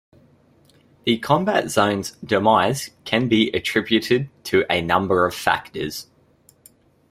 The Combat Zone's demise can be attributed to a number of factors.